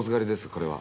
これは」